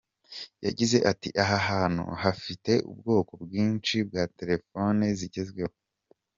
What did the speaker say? Yagize ati “Aha hantu hafite ubwoko bwinshi bwa telephone zigezweho.